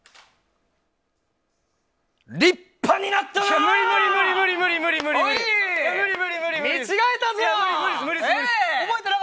立派になったな！